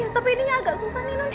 iya tapi ini agak susah nih mas